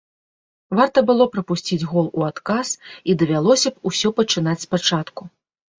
Варта было прапусціць гол у адказ, і давялося б усё пачынаць спачатку.